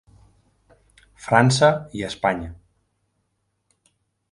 França i Espanya.